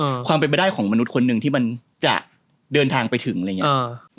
ความเป็นไปได้ของมนุษย์คนหนึ่งที่มันจะเดินทางไปถึงอะไรอย่างเงี้เออ